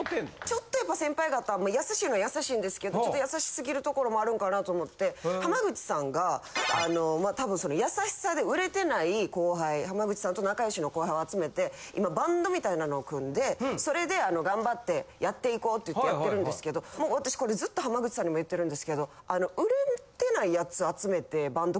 ちょっとやっぱ先輩方優しいのは優しいんですけどちょっと優しすぎるところもあるんかなと思って濱口さんがあのまあたぶんその優しさで売れてない後輩濱口さんと仲良しの後輩を集めて今バンドみたいなのを組んでそれで頑張ってやっていこうって言ってやってるんですけどもう私これずっと濱口さんにも言ってるんですけど。